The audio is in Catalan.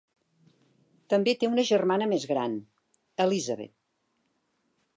També té una germana més gran, Elizabeth.